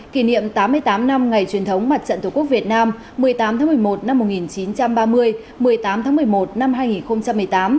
kỷ niệm tám mươi tám năm ngày truyền thống mặt trận tổ quốc việt nam